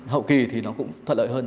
hậu kì thì nó cũng thuận lợi hơn